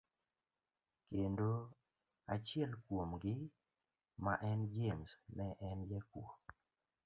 Kendo achiel kuom gi ma en James ne en jakuo.